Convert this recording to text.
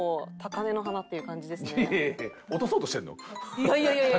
いやいやいやいや。